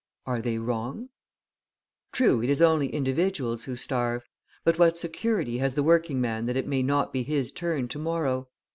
Are they wrong? True, it is only individuals who starve, but what security has the working man that it may not be his turn to morrow?